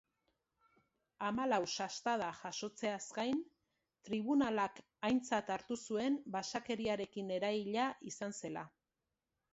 Hamalau sastada jasotzeaz gain, tribunalak aintzat hartu zuen basakeriarekin eraila izan zela.